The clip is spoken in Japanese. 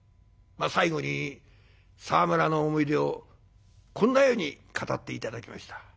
最後に沢村の思い出をこんなように語って頂きました。